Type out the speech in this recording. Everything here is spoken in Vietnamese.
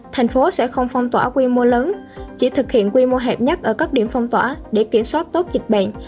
thành phố sẽ không phong tỏa quy mô lớn chỉ thực hiện quy mô hẹp nhất ở các điểm phong tỏa để kiểm soát tốt dịch bệnh